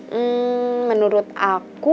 hmm menurut aku